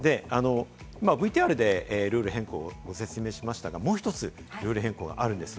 ＶＴＲでルール変更、ご説明しましたが、もう１つルール変更があるんです。